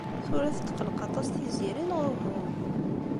Tura tetqelleq aṭas Tiziri neɣ uhu?